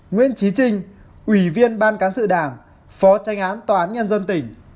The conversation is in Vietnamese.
nguyễn trí trinh ủy viên ban cán sự đảng phó tranh án tòa án nhân dân tỉnh